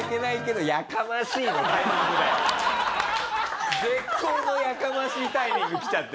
絶好の「やかましい」タイミング来ちゃってる。